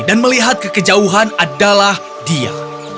dan melihat kekejauhan adalah dia